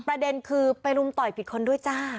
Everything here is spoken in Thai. ประเด็นคือไปรุมต่อยผิดคนด้วยจ้า